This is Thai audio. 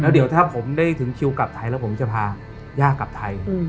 เดี๋ยวถ้าผมได้ถึงคิวกลับไทยแล้วผมจะพาย่ากลับไทย